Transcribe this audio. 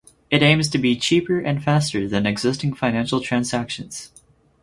It aims to be cheaper and faster than existing financial transactions.